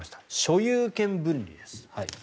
所有権分離です。